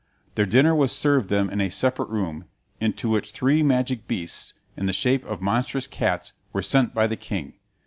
Their dinner was served them in a separate room, into which three magic beasts, in the shape of monstrous cats, were sent by the king.